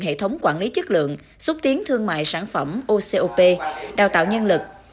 hệ thống quản lý chất lượng xúc tiến thương mại sản phẩm ocop đào tạo nhân lực